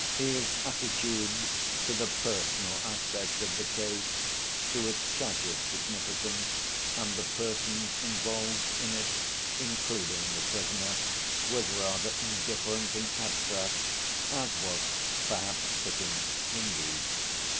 His attitude to the personal aspect of the case, to its tragic significance and the persons involved in it, including the prisoner, was rather indifferent and abstract, as was perhaps fitting, indeed.